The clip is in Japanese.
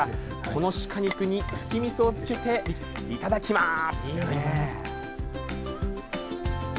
その鹿肉にふきみそをつけていただきます。